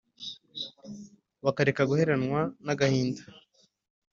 bakareka guheranwa n’agahinda